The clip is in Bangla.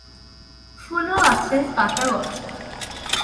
ফুলও আছে, কাঁটাও আছে।